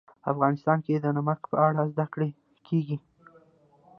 افغانستان کې د نمک په اړه زده کړه کېږي.